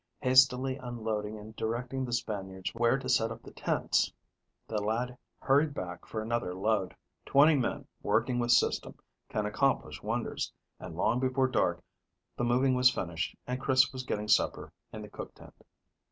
Hastily unloading and directing the Spaniards where to set up the tents, the lad hurried back for another load. Twenty men working with system can accomplish wonders, and long before dark the moving was finished and Chris was getting supper in the cook tent.